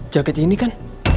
jaket ini kan